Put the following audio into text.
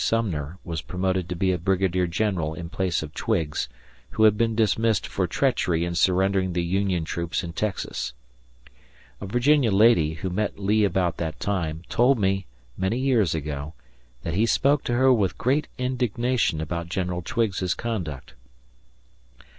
Sumner was promoted to be a brigadier general in place of Twiggs, who had been dismissed for treachery in surrendering the Union troops in Texas. A Virginia lady, who met Lee about that time, told me, many years ago, that he spoke to her with great indignation about General Twiggs's conduct.